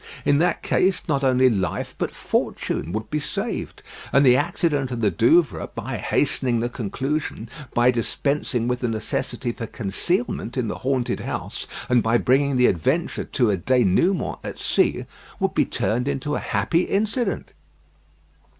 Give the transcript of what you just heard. In that case, not only life, but fortune, would be saved; and the accident of the Douvres, by hastening the conclusion, by dispensing with the necessity for concealment in the haunted house, and by bringing the adventure to a dénouement at sea, would be turned into a happy incident.